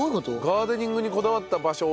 ガーデニングにこだわった場所